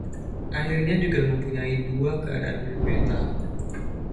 Aktinium juga mempunyai dua keadaan meta.